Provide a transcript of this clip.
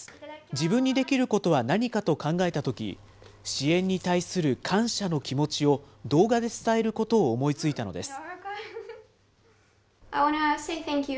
自分にできることは何かと考えたとき、支援に対する感謝の気持ちを、動画で伝えることを思いついたのです。